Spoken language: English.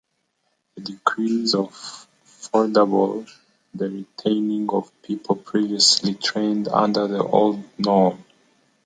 The decree forbade the retraining of people previously trained under the old norm.